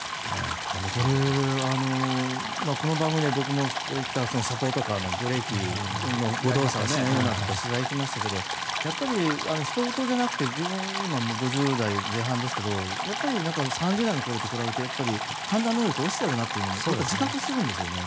これ、この番組で僕もこういったサポートカーのブレーキの誤動作をしないようなとか取材に行きましたけどひと事じゃなくて自分、今５０代前半ですけど３０代の頃と比べて、判断能力が落ちているなというのも自覚するんですよね。